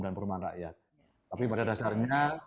dan perumahan rakyat tapi pada dasarnya